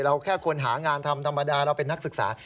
แค่คนหางานทำธรรมดาเราเป็นนักศึกษา